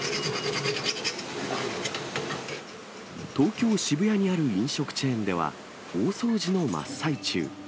東京・渋谷にある飲食チェーンでは、大掃除の真っ最中。